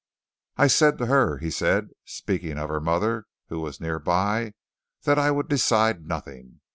"I said to her," he said, speaking of her mother, who was near by, "that I would decide nothing.